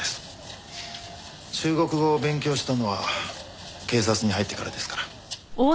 中国語を勉強したのは警察に入ってからですから。